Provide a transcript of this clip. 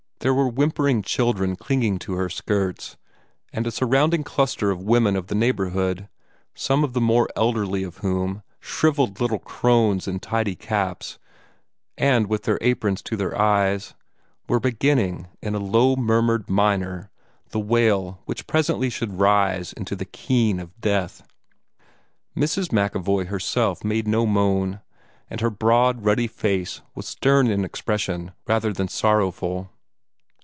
There were whimpering children clinging to her skirts, and a surrounding cluster of women of the neighborhood, some of the more elderly of whom, shrivelled little crones in tidy caps, and with their aprons to their eyes, were beginning in a low murmured minor the wail which presently should rise into the keen of death. Mrs. MacEvoy herself made no moan, and her broad ruddy face was stern in expression rather than sorrowful.